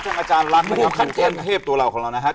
ช่วงอาจารย์รักของท่านเทพตัวเรานะครับ